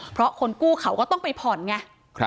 เพราะคนกู้เขาก็ต้องไปผ่อนไง